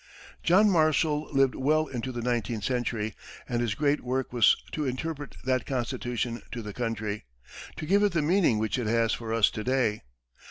John Marshall lived well into the nineteenth century, and his great work was to interpret that Constitution to the country, to give it the meaning which it has for us to day.